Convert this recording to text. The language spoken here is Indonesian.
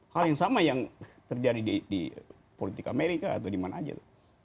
hal yang sama yang terjadi di politik amerika atau di mana aja